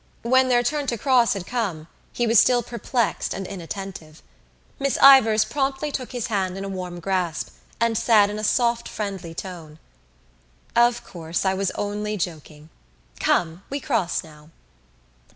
When their turn to cross had come he was still perplexed and inattentive. Miss Ivors promptly took his hand in a warm grasp and said in a soft friendly tone: "Of course, I was only joking. Come, we cross now."